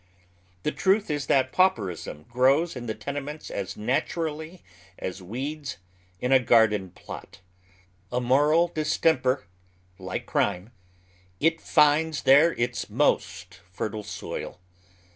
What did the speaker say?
The tnith is that pauperism grows in the tenements as naturally as weeds in a garden lot. A moral distemper, like cnme, it finds there its most fertile soil.